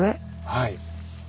はい。